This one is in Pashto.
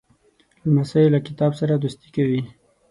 لمسی له کتاب سره دوستي کوي.